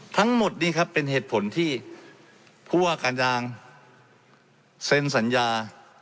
ทั้งหมดนี้ครับเป็นเหตุผลที่ผู้ว่าการยางเซ็นสัญญา